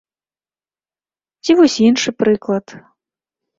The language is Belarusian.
Ці вось іншы прыклад.